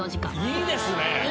いいですね。